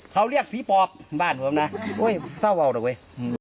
เขาเรียกฝีปอบบ้านผมนะโอ้ยเศร้าว่าวเลย